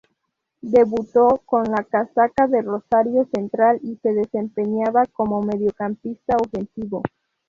Debutó con la casaca de Rosario Central y se desempeñaba como mediocampista ofensivo.